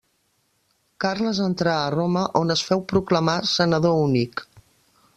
Carles entrà a Roma on es féu proclamar senador únic.